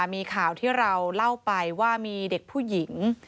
มีข่าวที่เราเล่าไปว่ามีเด็กผู้หญิง